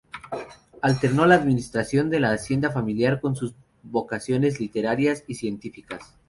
Alternó la administración de la hacienda familiar con sus vocaciones literarias y científicas.